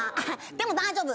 でも大丈夫。